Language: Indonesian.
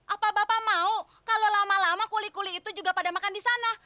apa bapak mau kalau lama lama kuli kuli itu juga pada makan di sana